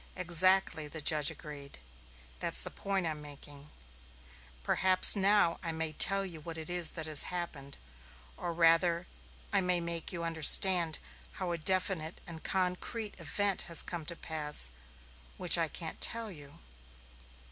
"Exactly," the judge agreed. "That's the point I'm making. Perhaps now I may tell you what it is that has happened. Or rather, I may make you understand how a definite and concrete event has come to pass, which I can't tell you."